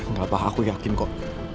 gak apa aku yakin kok